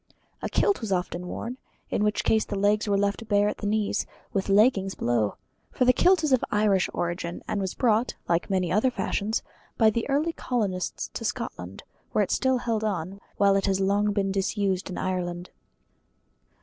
A kilt was often worn, in which case the legs were left bare at the knees, with leggings below: for the kilt is of Irish origin, and was brought like many other fashions by the early colonists to Scotland, where it is still held on, while it has been long disused in Ireland.